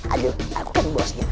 aduh aku kan bosnya